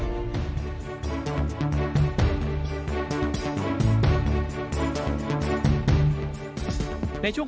ไทยรัฐคู่มือเลือกต่างนั้นจะหาเงินมาจากที่ไหนได้บ้าง